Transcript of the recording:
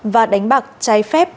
và đánh bạc trái phép